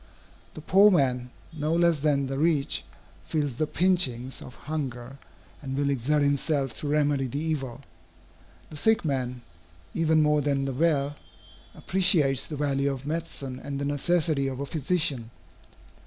The poor man, no less than the rich, feels the pinchings of hunger, and will exert himself to remedy the evil. The sick man, even more than the well, appreciates the value of medicine and the necessity of a physician.